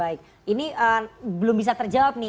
baik ini belum bisa terjawab nih